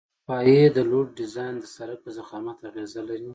د پایې د لوډ ډیزاین د سرک په ضخامت اغیزه لري